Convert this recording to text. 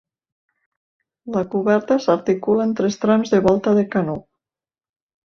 La coberta s'articula en tres trams de volta de canó.